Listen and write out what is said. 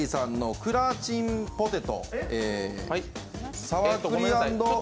クラチンポテト。